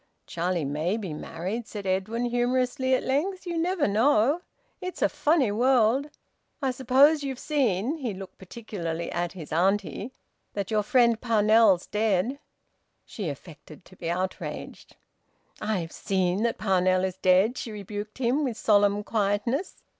"Charlie may be married," said Edwin humorously, at length. "You never know! It's a funny world! I suppose you've seen," he looked particularly at his auntie, "that your friend Parnell's dead?" She affected to be outraged. "I've seen that Parnell is dead," she rebuked him, with solemn quietness.